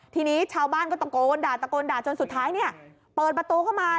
ทีนี้ชาวบ้านก็ตะโกนด่าจนสุดท้ายเปิดประตูเข้ามา